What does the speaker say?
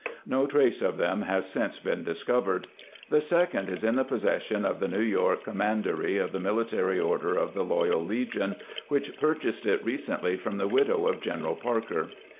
No trace of them has since been discovered ; the second is in the possession of the New York Com mandery of the Military Order of the Loyal Legion, which purchased it recently from the widow of General Parker.